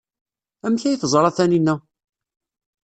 Amek ay teẓra Taninna?